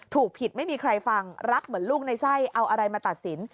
ถูกผิดไม่มีใครฟังรักเหมือนลูกในไส้เอาอะไรมาตัดสิน